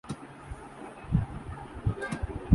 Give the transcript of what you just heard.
کہ انہیں کسی ایسی ہستی کی تائید میسر آ جائے